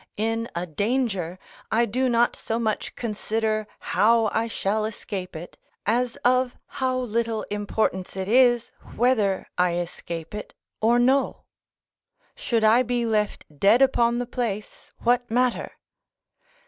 In a danger, I do not so much consider how I shall escape it, as of how little importance it is, whether I escape it or no: should I be left dead upon the place, what matter?